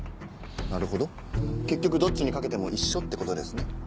なるほど結局どっちに賭けても一緒ってことですね。